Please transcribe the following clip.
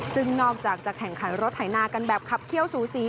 ซึ่งนอกจากจะแข่งขันรถไถนากันแบบขับเขี้ยวสูสี